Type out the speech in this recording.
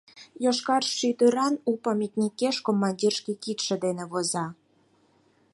Йошкар шӱдыран у памятникеш командир шке кидше дене воза: